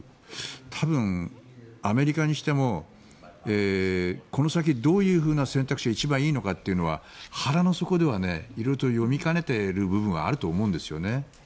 多分、アメリカにしてもこの先どういうふうな選択肢が一番いいのかというのは腹の底では色々と読みかねている部分はあると思います。